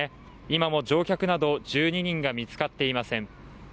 今も乗客など１２人が見つかっていません。